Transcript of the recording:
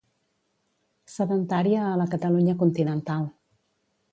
Sedentària a la Catalunya continental.